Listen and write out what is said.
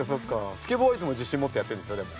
スケボーはいつも自信持ってやってるんでしょでも。